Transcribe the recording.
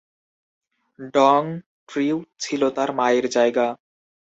Dong Trieu ছিল তার মায়ের জায়গা।